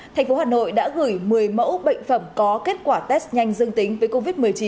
thành phố hà nội đã gửi một mươi mẫu bệnh phẩm có kết quả test nhanh dương tính với covid một mươi chín